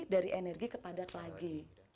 dari energi ke padat lagi